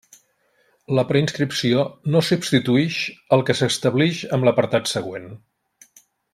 La preinscripció no substituïx el que s'establix en l'apartat següent.